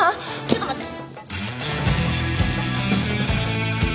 ちょっと待って。